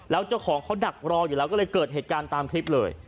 แล้วเจ้าของเขาดักรออยู่แล้วก็เลยเกิดเหตุการณ์ตามคลิปเลย